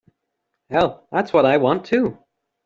Hell, that's what I want too.